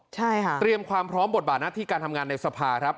ใช่ค่ะเตรียมความพร้อมบทบาทหน้าที่การทำงานในสภาครับ